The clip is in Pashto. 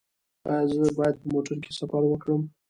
ایا زه باید په موټر کې سفر وکړم؟